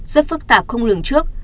rất phức tạp không lường trước